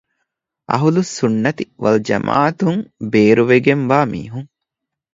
އަހުލުއްސުންނަތި ވަލްޖަމާޢަތުން ބޭރުވެގެންވާ މީހުން